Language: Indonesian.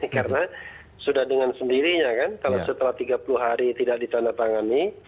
karena sudah dengan sendirinya kan kalau setelah tiga puluh hari tidak ditandatangani